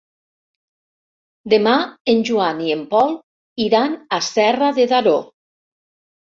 Demà en Joan i en Pol iran a Serra de Daró.